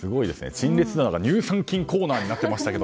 陳列棚が乳酸菌コーナーになっていましたが。